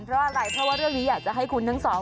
เพราะอะไรเพราะว่าเรื่องนี้อยากจะให้คุณทั้งสอง